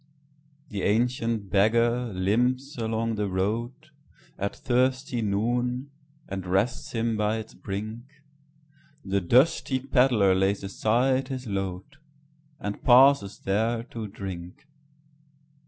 The ancient beggar limps along the roadAt thirsty noon, and rests him by its brink; The dusty pedlar lays aside his load, And pauses there to drink.